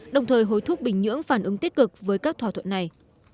đồng thời hối thúc bình nhưỡng phản ứng tích cực với các thỏa thuận này